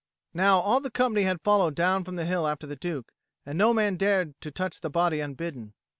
Now all the company had followed down from the hill after the Duke, and no man dared to touch the body unbidden.